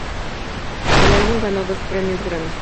El álbum ganó dos premios Grammys.